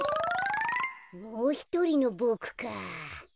もうひとりのボクか。